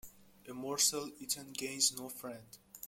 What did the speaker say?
A morsel eaten gains no friend.